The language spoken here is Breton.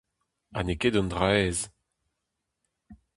Ha n'eo ket un dra aes.